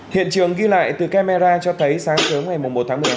hiện trường ghi lại từ camera cho thấy sáng sớm ngày một tháng một mươi hai